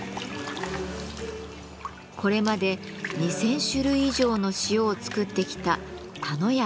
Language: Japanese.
これまで２，０００種類以上の塩を作ってきた田野屋